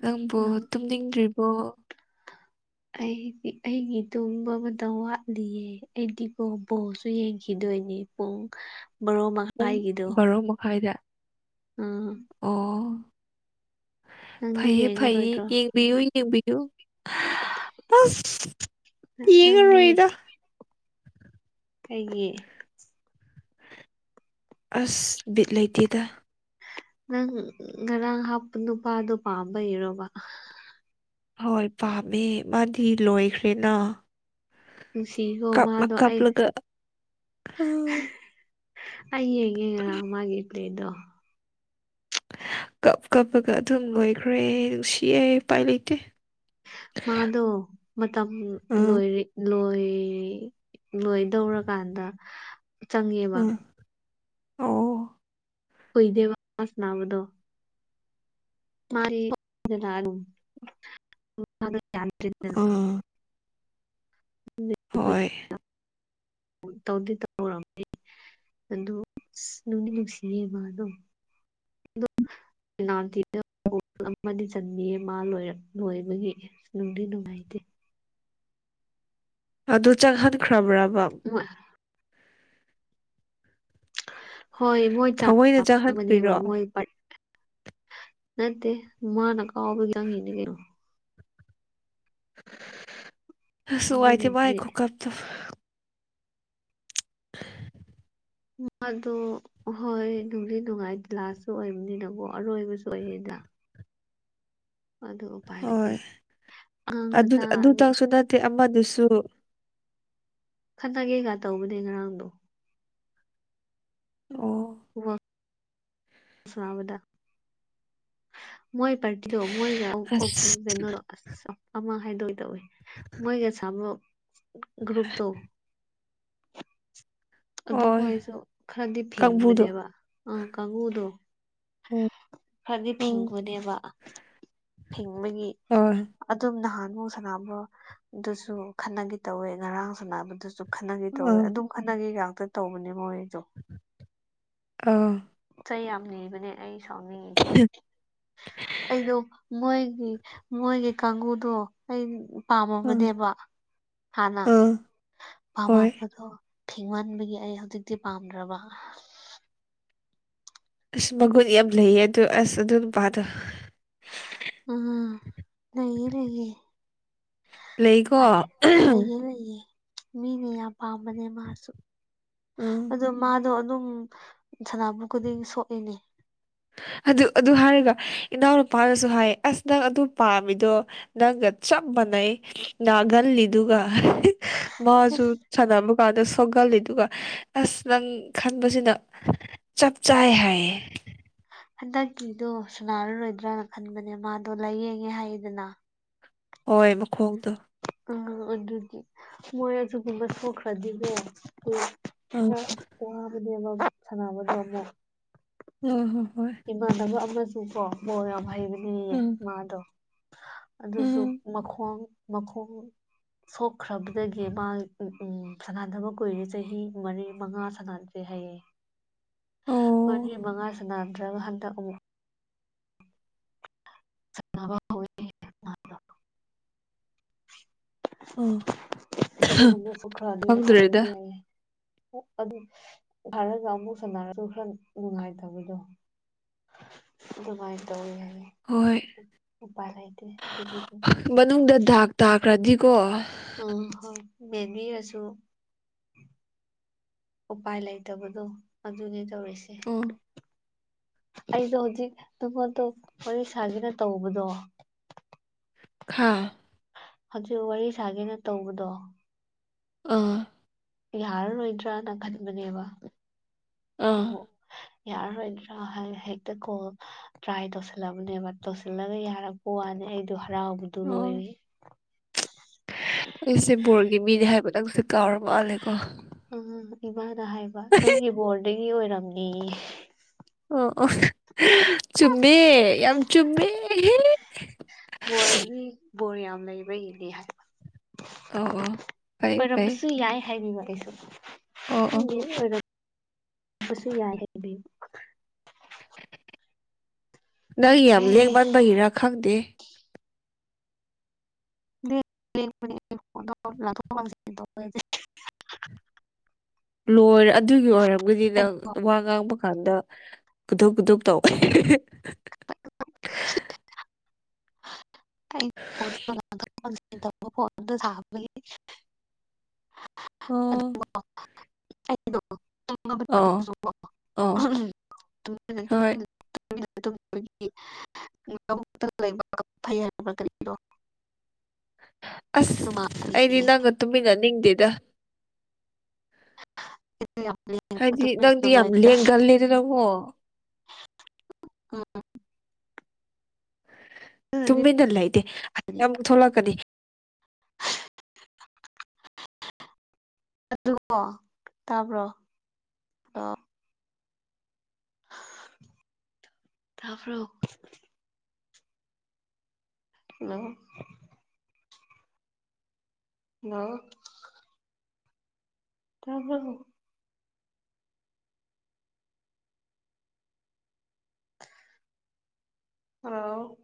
ꯅꯪꯕꯨ ꯇꯨꯝꯅꯤꯡꯗ꯭ꯔꯤꯕꯣ ꯑꯩꯗꯤ ꯑꯩꯒꯤ ꯇꯨꯝꯕ ꯃꯇꯝ ꯋꯥꯠꯂꯤꯌꯦ ꯑꯩꯗꯤꯀꯣ ꯕꯣꯜꯁꯨ ꯌꯦꯡꯈꯤꯗꯣꯏꯅꯤ ꯄꯨꯡ ꯕꯥꯔꯣ ꯃ ꯄꯨꯡ ꯕꯥꯔꯣ ꯃꯈꯥꯏꯗ ꯑꯪ ꯑꯣ ꯅꯪꯗꯤ ꯐꯩꯌꯦ ꯐꯩꯌꯦ ꯌꯦꯡꯉꯔꯣꯏꯗ꯭ꯔꯣ ꯌꯦꯡꯕꯤꯌꯨ ꯌꯦꯡꯕꯤꯌꯨ ꯑꯁ ꯅꯪꯗꯤ ꯌꯦꯡꯉꯔꯣꯏꯗ ꯀꯩꯒꯤ ꯑꯁ ꯕꯤꯠ ꯂꯩꯇꯦꯗ ꯅꯪ ꯉꯔꯥꯡ ꯍꯥꯞꯄ ꯅꯨꯄꯥꯗꯣ ꯄꯥꯝꯕꯩ ꯏꯔꯣꯕ ꯍꯣꯏ ꯄꯥꯝꯃꯦ ꯃꯥꯗꯤ ꯂꯣꯏꯈ꯭ꯔꯦꯅ ꯅꯨꯡꯁꯤꯈꯣ ꯀꯞꯅ ꯃꯥꯗꯣ ꯑꯩ ꯀꯞꯂꯒ ꯎꯝ ꯑꯩ ꯌꯦꯡꯉꯦ ꯉꯔꯥꯡ ꯃꯥꯒꯤ ꯄ꯭ꯂꯦꯗꯣ ꯀꯞ ꯀꯞꯄꯒ ꯑꯗꯨꯝ ꯂꯣꯏꯈ꯭ꯔꯦ ꯅꯨꯡꯁꯤꯌꯦꯦꯢ ꯎꯄꯥꯏ ꯂꯩꯇꯦ ꯃꯥꯗꯣ ꯃꯇꯝ ꯎꯝ ꯂꯣꯏꯔꯦ ꯂꯣꯏ ꯂꯣꯏꯗꯧꯔꯀꯥꯟꯗ ꯆꯪꯉꯦꯕ ꯎꯝ ꯑꯣ ꯀꯨꯢꯏꯗꯦꯕ ꯋꯥꯁꯅꯥꯕꯗꯣ [unintelligible] ꯑꯥ ꯍꯣꯏ ꯇꯧꯗꯤ ꯇꯧꯔꯝꯃꯅꯤ ꯑꯗꯨ ꯑꯁ ꯅꯨꯡꯗꯤ ꯅꯨꯡꯁꯤꯌꯦꯕ ꯑꯗꯨꯝ [unintelligible] ꯅꯥꯇꯤꯗ [unintelligible] ꯑꯃꯗꯤ ꯆꯟꯅꯤꯌꯦ ꯃꯥ ꯂꯣꯏꯕꯒꯤ ꯅꯣꯡꯗꯤ ꯅꯨꯡꯉꯥꯏꯇꯦ ꯑꯗꯨ ꯆꯪꯍꯟꯈ꯭ꯔꯕ꯭ꯔꯕ [unintelligible] ꯍꯣꯏ ꯃꯣꯏ ꯊꯑꯣꯏꯅ ꯆꯥꯕꯅꯦꯕ ꯆꯪꯍꯟꯈ꯭ꯔꯤꯔꯣ ꯃꯣꯏ ꯅꯠꯇ ꯃꯥꯅ ꯀꯥꯎꯕꯥ ꯌꯥꯡꯉꯤꯅꯤ ꯀꯣ ꯑꯁꯋꯥꯏꯇꯦ ꯃꯥꯥꯏ ꯑꯗꯨꯕꯨꯗꯤ ꯈꯨꯀꯞꯇꯣ ꯃꯗꯨ ꯑꯍꯣꯏ ꯅꯨꯡꯗꯤ ꯅꯨꯡꯉꯥꯏ ꯂꯥꯁꯁꯨ ꯑꯣꯏꯕꯅꯤꯅꯀꯣ ꯑꯔꯣꯏꯕꯁꯨ ꯑꯣꯏꯌꯦꯗ ꯑꯗꯨ ꯎꯄꯥꯏ ꯂꯩꯇꯦ ꯍꯣꯏ ꯑꯉꯥꯡ ꯑꯗꯨ ꯃꯆꯥ ꯑꯅꯤ ꯑꯗꯨꯇꯪꯁꯨ ꯅꯠꯇꯦ ꯑꯃꯗꯨꯁꯨ ꯈꯠꯅꯒꯦꯒ ꯇꯧꯕꯅꯦ ꯉꯔꯥꯡꯗꯣ ꯑꯣ ꯁꯟꯅꯕꯗ ꯃꯣꯏ ꯄꯔꯇꯤꯗꯣ ꯃꯣꯏꯒ ꯑꯁ [unintelligible] ꯑꯁ ꯑꯃ ꯍꯥꯏꯗꯣꯏ ꯇꯧꯋꯦ ꯃꯣꯏꯒꯁꯥꯃꯛ ꯒ꯭ꯔꯨꯞꯇꯣ ꯑꯣ ꯑꯗꯨꯈꯣꯏꯁꯨ ꯈꯔꯗꯤ ꯀꯥꯡꯕꯨꯗꯣ ꯐꯤꯡꯕꯅꯦꯕ ꯑ ꯀꯥꯡꯉꯨꯗꯣ ꯎꯝ ꯈꯔꯗꯤ ꯎꯝ ꯐꯤꯡꯕꯅꯦꯕ ꯐꯤꯡꯕꯒꯤ ꯑꯣ ꯑꯗꯨꯝ ꯅꯍꯥꯟꯕꯃꯨꯛ ꯁꯥꯟꯅꯕꯗꯨꯁꯨ ꯈꯠꯅꯒꯦ ꯇꯧꯋꯦ ꯉꯔꯥꯡ ꯁꯥꯟꯅꯕꯗꯨꯁꯨ ꯈꯠꯅꯒꯦ ꯇꯧꯋꯦ ꯑꯥ ꯑꯗꯨꯝ ꯈꯠꯅꯒꯦ ꯉꯥꯛꯇ ꯇꯧꯕꯅꯦ ꯃꯣꯏꯖꯨ ꯑꯥ ꯆꯩ ꯌꯥꯝ ꯅꯤꯕꯅꯦ ꯑꯩ ꯏꯁꯥꯎꯅꯤꯉꯤ ꯑꯩꯗꯣ ꯃꯣꯏꯒꯤ ꯃꯣꯏꯒꯤ ꯀꯥꯡꯕꯨꯨꯗꯣ ꯑꯩ ꯎꯝ ꯄꯥꯝꯃꯕꯅꯦꯕ ꯍꯥꯟꯅ ꯑꯥ ꯍꯣꯏ ꯄꯥꯝꯃꯝꯕꯗꯣ ꯐꯤꯡꯃꯟꯕꯒꯤ ꯑꯩ ꯍꯧꯖꯤꯛꯇꯤ ꯄꯥꯝꯗ꯭ꯔꯕ ꯑꯁ ꯃꯒꯨꯟ ꯌꯥꯝ ꯂꯩꯌꯦ ꯑꯗꯣ ꯑꯁ ꯑꯗꯨ ꯅꯨꯄꯥꯗ ꯎꯝ ꯂꯩꯌꯦ ꯂꯩꯌꯦ ꯂꯩꯀꯣ ꯐꯔꯦ ꯂꯩ ꯂꯩꯌꯦ ꯃꯤꯅ ꯌꯥ ꯄꯥꯝꯕꯅꯦ ꯃꯥꯁꯨꯨ ꯎꯝ ꯑꯗꯣ ꯃꯥꯗꯣ ꯑꯗꯨꯝ ꯁꯅꯥꯕ ꯈꯨꯗꯤꯡ ꯁꯣꯛꯑꯦꯅꯦ ꯑꯗꯨ ꯑꯗꯨ ꯍꯥꯏꯔꯒ ꯏꯅꯥꯎꯅꯨꯄꯥꯅꯁꯨ ꯍꯥꯏ ꯑꯁ ꯅꯪ ꯑꯗꯨ ꯄꯥꯝꯃꯤꯗꯣ ꯅꯪꯒ ꯆꯞ ꯃꯅꯩ ꯅꯥꯒꯜꯂꯤꯗꯨꯒ ꯃꯥꯁꯨ ꯑꯁ ꯁꯥꯟꯅꯕ ꯀꯥꯟꯗ ꯁꯣꯛꯒꯜꯂꯤꯗꯨꯒ ꯑꯁ ꯅꯪ ꯈꯟꯕꯁꯤꯅ ꯆꯞ ꯆꯥꯏ ꯍꯥꯏꯌꯦ ꯍꯟꯗꯛꯀꯤꯗꯣ ꯁꯟꯅꯔꯔꯣꯏꯗ꯭ꯔꯅ ꯈꯟꯕꯅꯦ ꯃꯥꯗꯣ ꯂꯥꯏꯌꯦꯡꯉꯦ ꯍꯥꯏꯌꯦꯗꯅ ꯍꯣꯏ ꯃꯈꯣꯡꯗꯣ ꯑ ꯑꯗꯨꯗꯤ ꯃꯣꯏ ꯑꯗꯨꯒꯨꯝꯕ ꯁꯣꯛꯈ꯭ꯔꯗꯤꯅꯦ ꯑꯥ ꯈꯔꯥ ꯋ꯭ꯕꯅꯦꯕ ꯁꯥꯟꯅꯕꯗꯣ ꯑꯃꯨꯛ ꯑꯣ ꯍꯣꯏ ꯍꯣꯏ ꯏꯃꯟꯅꯕ ꯑꯃꯁꯨꯀꯣ ꯕꯣꯜ ꯌꯥꯝ ꯍꯩꯕꯅꯤꯌꯦ ꯎꯝ ꯃꯥꯥꯗꯣ ꯑꯗꯨꯁꯨ ꯎꯝ ꯃꯈꯣꯡ ꯃꯈꯣꯡ ꯁꯣꯛꯈ꯭ꯔꯕꯗꯒꯤ ꯃꯥ ꯎꯝ ꯁꯥꯟꯅꯗꯕ ꯀꯨꯏꯔꯦ ꯆꯍꯤ ꯃꯔꯤ ꯃꯉꯥ ꯁꯅꯗ꯭ꯔꯦ ꯍꯥꯏꯌꯦ ꯑꯣ ꯃꯔꯤ ꯃꯉꯥ ꯁꯟꯅꯗ꯭ꯔꯒ ꯍꯟꯗꯛ ꯑꯃꯨꯛ ꯁꯅꯕ ꯑꯡ ꯑꯗꯨꯒꯨꯝꯁꯨ ꯈ꯭ꯔ [unintelligible] ꯍꯥꯏꯌꯦ ꯑꯗꯨ ꯈꯔꯒ ꯑꯃꯨꯛ ꯁꯅꯔꯁꯨ ꯈꯔ ꯅꯨꯡꯉꯥꯏꯇꯕꯗꯣ ꯑꯗꯨꯃꯥꯏꯅ ꯇꯧꯋꯤ ꯌꯥꯌꯦ ꯍꯣꯏ ꯎꯄꯥꯏ ꯂꯩꯇꯦ ꯑꯗꯨꯕꯨꯗꯤ ꯃꯅꯨꯡꯗ ꯗꯥꯛ ꯇꯥꯈ꯭ꯔꯗꯤꯀꯣ ꯑ ꯍꯣꯏ ꯃꯦꯕꯤ ꯑꯁꯨ ꯎꯄꯥꯏ ꯂꯩꯇꯕꯗꯣ ꯑꯗꯨꯅꯤ ꯇꯧꯔꯤꯁꯦ ꯑꯣ ꯑꯩꯗꯣ ꯍꯧꯖꯤꯛ ꯇꯕꯥꯛꯇꯣ ꯋꯥꯔꯤ ꯁꯥꯒꯤꯅ ꯇꯧꯕꯗꯣ ꯈꯥ ꯍꯖꯤꯛ ꯋꯥꯔꯤ ꯁꯥꯒꯦꯅ ꯇꯧꯕꯗꯣ ꯑꯥ ꯌꯥꯔꯔꯣꯏꯗ꯭ꯔꯅ ꯈꯟꯕꯅꯦꯕ ꯑꯥ ꯎꯝ ꯌꯥꯔꯔꯣꯏꯗ꯭ꯔꯥ ꯍꯥꯏꯅ ꯍꯦꯛꯇ ꯀꯣꯜ ꯇ꯭ꯔꯥꯏ ꯇꯧꯁꯤꯜꯂꯕꯅꯦꯕ ꯇꯧꯁꯤꯜꯂꯒ ꯌꯥꯔꯛꯄ ꯋꯥꯅꯤ ꯑꯩꯗꯣ ꯍꯔꯥꯎꯕꯗꯨ ꯑꯣ ꯂꯣꯏꯔꯦ ꯑꯩꯁꯦ ꯕꯣꯔꯒꯤ ꯃꯤꯅꯦ ꯍꯥꯏꯕ ꯅꯪꯁꯦ ꯀꯥꯎꯔ ꯃꯥꯜꯂꯦꯀꯣ ꯑꯝ ꯏꯃꯥꯅ ꯍꯥꯏꯕ ꯅꯪꯒꯤ ꯕꯣꯔꯗꯒꯤ ꯑꯣꯏꯔꯝꯅꯤ ꯑꯣ ꯑꯣ ꯆꯨꯝꯃꯦ ꯌꯥꯝ ꯆꯨꯝꯃꯦꯍꯦ ꯕꯣꯔꯃꯤ ꯕꯣꯔ ꯌꯥꯝ ꯂꯩꯕꯒꯤꯅꯦ ꯍꯥꯏ ꯑꯣ ꯑꯣ ꯐꯩ ꯐꯩ ꯑꯣꯏꯔꯝꯕꯁꯨ ꯌꯥꯏ ꯍꯥꯏꯕꯤꯕ ꯑꯩꯁꯨ ꯑꯣ ꯑꯣ ꯈꯪꯗꯦ ꯑꯣꯢꯔꯝꯕꯁꯨ ꯌꯥꯢ ꯍꯥꯢꯕꯩ ꯅꯪ ꯌꯥꯝ ꯈꯪꯗ꯭ꯔꯦ ꯂꯦꯡꯃꯟꯕꯒꯤꯔ ꯈꯪꯗꯦ ꯂꯦꯡꯕꯅꯦ ꯑꯩ ꯋꯥꯡꯋꯣꯛ ꯂꯥꯡꯊꯣꯛ ꯂꯥꯡꯖꯤꯟ ꯇꯧꯕꯖꯦ ꯂꯣꯏꯔꯦ ꯑꯗꯨꯒꯤ ꯑꯣꯏꯔꯝꯒꯅꯤ ꯅꯪ ꯋꯥ ꯉꯥꯡꯕ ꯀꯥꯟꯗ ꯀꯨꯗꯞ ꯀꯨꯗꯞ ꯇꯧ ꯄꯣꯠꯇ ꯏꯟꯇ ꯕꯨꯀꯣꯠ ꯑꯗꯨ ꯊꯥꯕꯒꯤ ꯑꯣ ꯀꯩ ꯅꯣ ꯇꯝꯃꯕꯅꯤ ꯇꯜꯂ ꯑꯣ ꯆꯣ ꯑꯣ ꯇꯨꯃꯤꯟꯅꯅꯤ ꯍꯣꯏ ꯇꯨꯃꯤꯟꯅ ꯇꯨꯃꯤꯟꯅ ꯇꯨꯝꯕꯒꯤ ꯃꯨꯠ ꯑꯣꯞꯇ ꯂꯩꯕ ꯀ ꯎꯕ ꯀꯔꯤꯗꯣ ꯑꯁ ꯑꯩꯗꯤ ꯃꯥꯜꯂꯤꯌꯦ ꯅꯪꯒ ꯇꯨꯝꯃꯤꯟꯅ ꯅꯤꯡꯗꯦꯗ ꯍꯤꯠꯇꯤ ꯌꯥꯝ ꯀꯂꯤ ꯍꯥꯏꯗꯤ ꯅꯪꯗꯤ ꯌꯥꯝ ꯂꯦꯡꯒꯜꯂꯤꯗꯅ ꯀꯣ ꯇꯨꯃꯤꯟꯅ ꯂꯩꯇꯦ ꯑꯃꯨꯛ ꯊꯣꯛꯂꯛꯀꯅꯤ ꯑꯗꯨ ꯑꯣ ꯇꯥꯕ꯭ꯔꯣ ꯍꯜꯂꯣ ꯇꯥꯕ꯭ꯔꯣ ꯍꯜꯂꯣ ꯍꯂꯣ ꯇꯥꯕꯔꯣ ꯍꯂꯑꯣ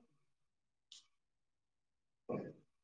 ꯍꯣꯏ